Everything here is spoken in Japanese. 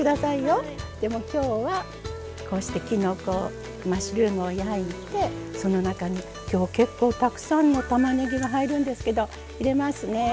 でも今日はこうしてきのこマッシュルームを焼いてその中に今日結構たくさんのたまねぎが入るんですけど入れますね。